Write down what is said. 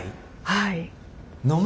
はい。